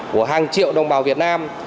của hàng triệu đồng bào việt nam